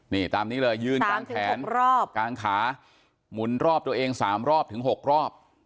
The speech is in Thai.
นี่ตามนี้เลยยืนกลางแขนรอบกลางขาหมุนรอบตัวเอง๓รอบถึง๖รอบ